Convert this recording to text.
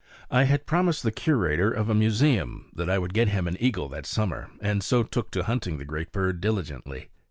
I had promised the curator of a museum that I would get him an eagle that summer, and so took to hunting the great bird diligently.